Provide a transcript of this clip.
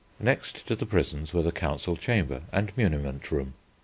Next to the prisons were the Council Chamber and Muniment Room.